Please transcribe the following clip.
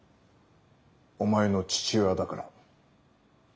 お前の父親だから。